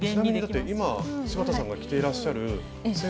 ちなみにだって今柴田さんが着ていらっしゃるセーターも。